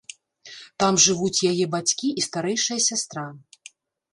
Там жывуць яе бацькі і старэйшая сястра.